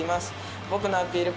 僕のアピール